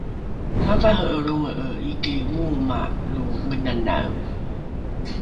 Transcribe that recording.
mavare’e lronge’e iki ooma lo menanae